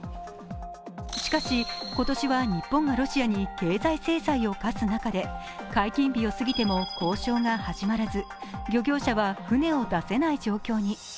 しかし、今年は日本がロシアに経済制裁を科す中で解禁日を過ぎても交渉が始まらず、漁業者は船を出せない状況に。